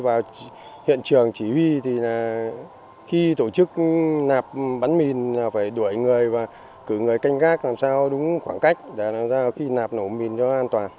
vào hiện trường chỉ huy thì khi tổ chức nạp bắn mìn là phải đuổi người và cử người canh gác làm sao đúng khoảng cách để làm sao khi nạp nổ mìn cho an toàn